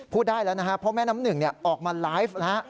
พูดได้แล้วนะครับเพราะแม่น้ำหนึ่งเนี่ยออกมาไลฟ์แล้ว